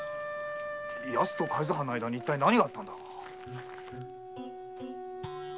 やつと海津藩の間にいったい何があったんだ？